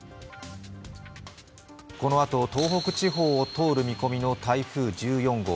このあと、東北地方を通る見込みの台風１４号。